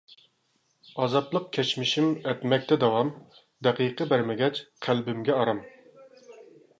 ئازابلىق كەچمىشىم ئەتمەكتە داۋام، دەقىقە بەرمىگەچ قەلبىمگە ئارام.